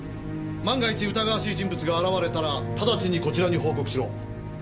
万が一疑わしい人物が現れたらただちにこちらに報告しろ。